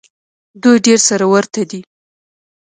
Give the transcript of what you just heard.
دوی ډېر سره ورته دي.